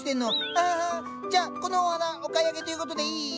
アハハじゃあこの花お買い上げという事でいい？